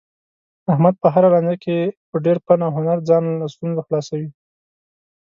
احمد په هره لانجه کې په ډېر فن او هنر ځان له ستونزو خلاصوي.